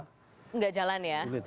tidak jalan ya